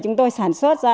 chúng tôi sản xuất ra